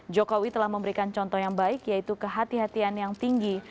jokowi telah memberikan contoh yang baik yaitu kehatian kehatian yang tinggi